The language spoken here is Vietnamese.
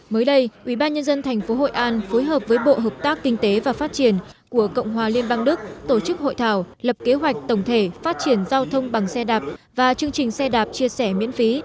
mới đây ubnd tp hội an phối hợp với bộ hợp tác kinh tế và phát triển của cộng hòa liên bang đức tổ chức hội thảo lập kế hoạch tổng thể phát triển giao thông bằng xe đạp và chương trình xe đạp chia sẻ miễn phí